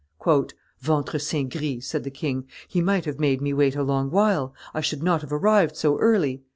"Ventre saint gris," said the king, "he might have made me wait a long while; I should not have arrived so early."